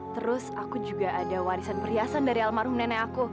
terus aku juga ada warisan perhiasan dari almarhum nenek aku